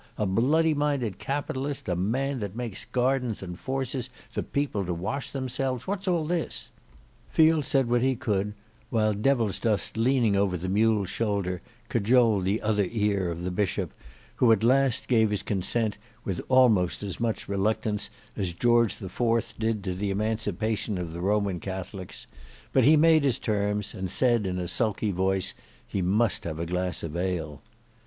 A bloody minded Capitalist, a man that makes gardens and forces the people to wash themselves: What is all this?" Field said what he could, while Devilsdust leaning over the mule's shoulder, cajoled the other ear of the Bishop, who at last gave his consent with almost as much reluctance as George the Fourth did to the emancipation of the Roman Catholics; but he made his terms, and said in a sulky voice he must have a glass of ale.